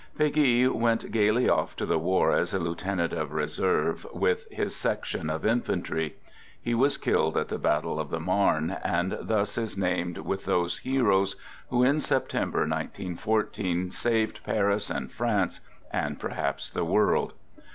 Peguy went gayly off to the war as a lieutenant of reserve with his section of infantry. He was killed at the Battle of the Marne, and thus is named with those heroes who in September, 1914, saved Paris and France and perhaps the world.